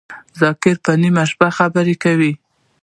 ذاکر په نیمه شپه خبری کوی